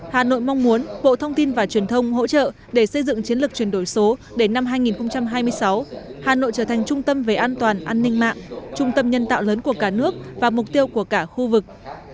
hà nội mong muốn bộ thông tin và truyền thông hỗ trợ để xây dựng chiến lược chuyển đổi số đến năm hai nghìn hai mươi sáu hà nội trở thành trung tâm về an toàn an ninh mạng trung tâm nhân tạo lớn của cả nước và mục tiêu của cả khu vực